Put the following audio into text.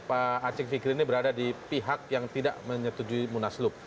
pak acik fikri ini berada di pihak yang tidak menyetujui munaslup